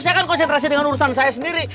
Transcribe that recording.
saya akan konsentrasi dengan urusan saya sendiri